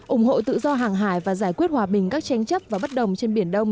ủng hộ tự do hàng hải và giải quyết hòa bình các tranh chấp và bất đồng trên biển đông